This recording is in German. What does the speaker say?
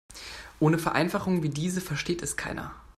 Ohne Vereinfachungen wie diese versteht es keiner.